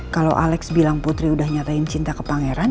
kalau alex bilang putri udah nyatain cinta ke pangeran